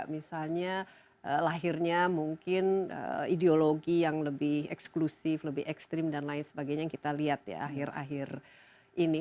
misalnya lahirnya mungkin ideologi yang lebih eksklusif lebih ekstrim dan lain sebagainya yang kita lihat ya akhir akhir ini